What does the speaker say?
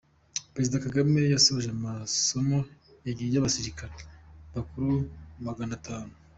Perezida Kagame yasoje amasomo y’abasirikare bakuru Magana atatu